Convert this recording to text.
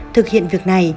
thực hiện việc này